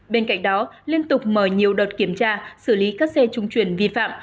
bên cạnh đó liên tục mở nhiều đợt kiểm tra xử lý các xe trung chuyển vi phạm